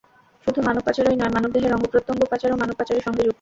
শুধু মানব পাচারই নয়, মানবদেহের অঙ্গপ্রত্যঙ্গ পাচারও মানব পাচারের সঙ্গে যুক্ত।